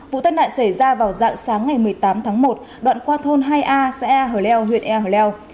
vụ tai nạn xảy ra vào dạng sáng ngày một mươi tám tháng một đoạn qua thôn hai a xe hờ leo huyện e hờ leo